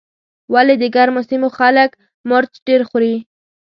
ولې د ګرمو سیمو خلک مرچ ډېر خوري.